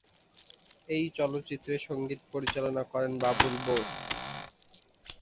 এই চলচ্চিত্রে সংগীত পরিচালনা করেন বাবুল বোস।